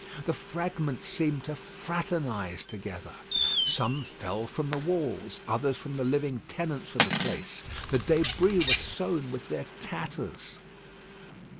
The fragments seemed to fraternise together. Some fell from the walls, others from the living tenants of the place. The débris were sown with their tatters.